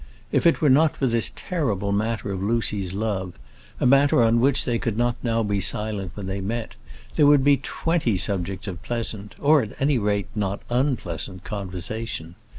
If it were not for this terrible matter of Lucy's love a matter on which they could not now be silent when they met there would be twenty subjects of pleasant, or, at any rate, not unpleasant conversation.